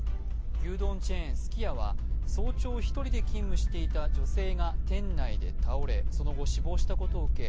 牛丼チェーン、すき家は早朝１人で担当していた女性が店内で倒れ、その後死亡したことを受け